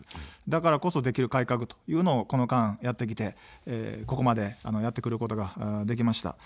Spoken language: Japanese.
だからこそ、できる改革というのを、この間やってきて、ここまでやってくることができました。